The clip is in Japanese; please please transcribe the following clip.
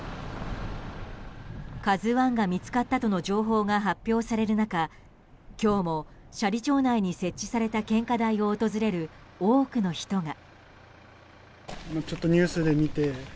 「ＫＡＺＵ１」が見つかったとの情報が発表される中今日も斜里町内に設置された献花台を訪れる多くの人が。